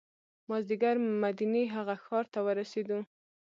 مازدیګر مدینې هغه ښار ته ورسېدو.